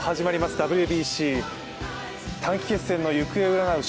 ＷＢＣ、短期決戦の行方を占う